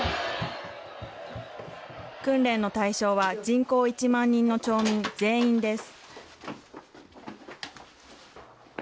訓練の対象は人口１万人の町民、全員です。